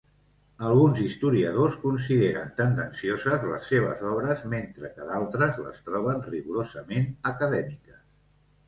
Alguns historiadors consideren tendencioses les seves obres mentre que d'altres les troben rigorosament acadèmiques.